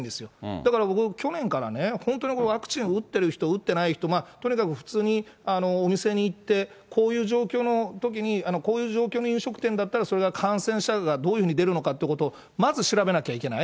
だから僕、去年からね、本当にワクチンを打ってる人、打ってない人、とにかく普通にお店に行って、こういう状況のときに、こういう状況の飲食店だったら、それが感染者がどういうふうに出るのかということをまず調べなきゃいけない。